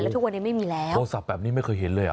ทุกวันนี้ไม่มีแล้วโทรศัพท์แบบนี้ไม่เคยเห็นเลย